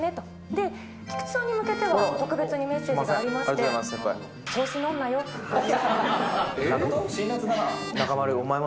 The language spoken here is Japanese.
で、菊池さんに向けては特別にメッセージがありまどういうこと？